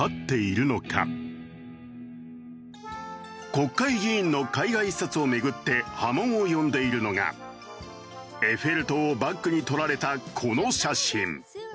国会議員の海外視察を巡って波紋を呼んでいるのがエッフェル塔をバックに撮られたこの写真。